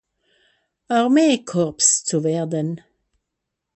Armee-Korps zu werden.